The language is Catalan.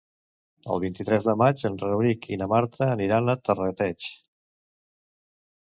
El vint-i-tres de maig en Rauric i na Marta aniran a Terrateig.